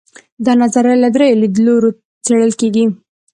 دا نظریه له درېیو لیدلورو څېړل کیږي.